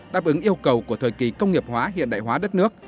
đáp ứng yêu cầu của thời kỳ công nghiệp hóa hiện đại hóa đất nước